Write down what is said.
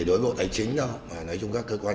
đối với bộ tài chính đâu nói chung các cơ quan